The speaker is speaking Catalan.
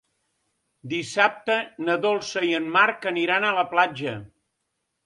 Dissabte na Dolça i en Marc aniran a la platja.